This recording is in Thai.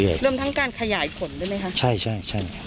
เริ่มทั้งการขยายขนด้วยไหมคะใช่